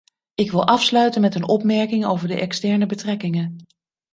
Ik wil afsluiten met een opmerking over de externe betrekkingen.